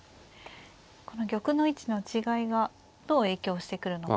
この玉の位置の違いがどう影響してくるのか。